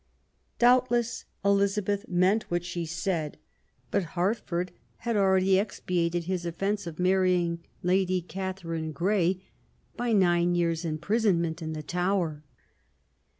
Doubtless Elizabeth meant what she said; but Hertford had already expiated his offence of marrying Lady Catharine Grey by nine years* imprisonment in the Tower.